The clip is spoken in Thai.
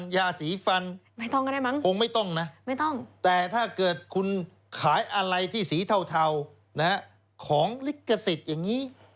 ยาสีฟันไม่ต้องก็ได้มั้งคงไม่ต้องนะไม่ต้องแต่ถ้าเกิดคุณขายอะไรที่สีเทาของลิขสิทธิ์อย่างนี้